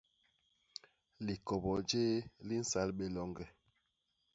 Likobo jéé li nsal bé loñge.